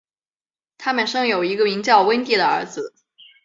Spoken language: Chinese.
他们生有一个名叫温蒂的儿子。